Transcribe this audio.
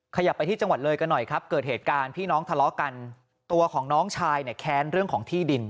ขยับไปที่จังหวัดเลยกันหน่อยครับเกิดเหตุการณ์พี่น้องทะเลาะกันตัวของน้องชายเนี่ยแค้นเรื่องของที่ดิน